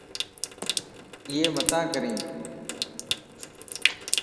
ايَ متان ڪرين